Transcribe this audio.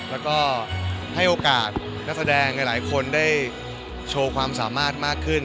แล้วก็ให้โอกาสนักแสดงหลายคนได้โชว์ความสามารถมากขึ้น